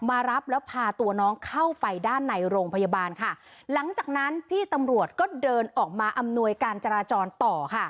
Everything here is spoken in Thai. มารับแล้วพาตัวน้องเข้าไปด้านในโรงพยาบาลค่ะหลังจากนั้นพี่ตำรวจก็เดินออกมาอำนวยการจราจรต่อค่ะ